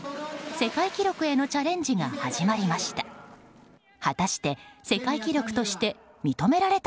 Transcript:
世界記録へのチャレンジが始まりました。